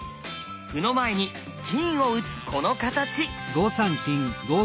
歩の前に金を打つこの形。